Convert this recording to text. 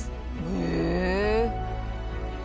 へえ！